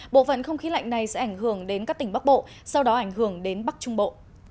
bộ phận không khí lạnh này sẽ ảnh hưởng đến các tỉnh bắc bộ sau đó ảnh hưởng đến bắc trung bộ